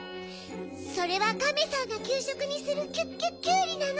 それはガメさんがきゅうしょくにするキュッキュッキュウリなの。